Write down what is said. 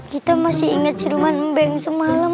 kita masih ingat jeruman embeng semalam